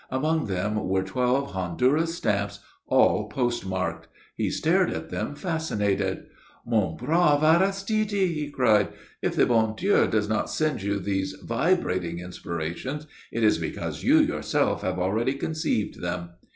Among them were twelve Honduras stamps all postmarked. He stared at them, fascinated. "Mon brave Aristide!" he cried. "If the bon Dieu does not send you these vibrating inspirations, it is because you yourself have already conceived them!"